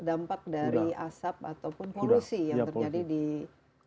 dampak dari asap ataupun polusi yang terjadi di kawasan